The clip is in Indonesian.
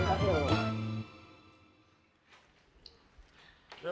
masuk ke labu